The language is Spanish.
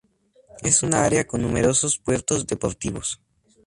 Es un área con numerosos puertos deportivos.